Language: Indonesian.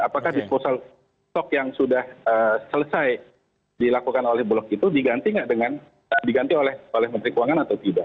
apakah disposal stok yang sudah selesai dilakukan oleh bulog itu diganti nggak dengan diganti oleh menteri keuangan atau tidak